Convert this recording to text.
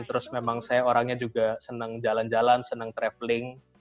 terus memang saya orangnya juga senang jalan jalan senang traveling